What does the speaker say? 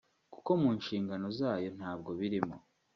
kuko mu nshingano zayo ntabwo birimo